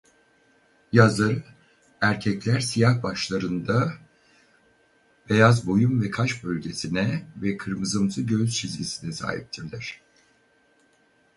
Yazları erkekler siyah başlarında beyaz boyun ve kaş bölgesine ve kırmızımsı göğüs çizgisine sahiptirler.